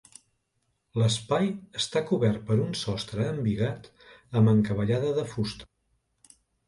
L'espai està cobert per un sostre embigat amb encavallada de fusta.